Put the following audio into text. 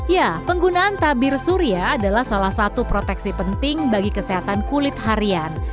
ya penggunaan tabir surya adalah salah satu proteksi penting bagi kesehatan kulit harian